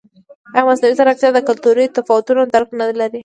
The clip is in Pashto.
ایا مصنوعي ځیرکتیا د کلتوري تفاوتونو درک نه لري؟